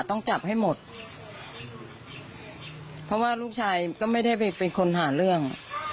ต้องจับให้หมดเพราะว่าลูกชายก็ไม่ได้ไปเป็นคนหาเรื่อง